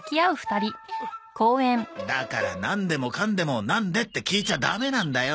だからなんでもかんでも「なんで」って聞いちゃダメなんだよ。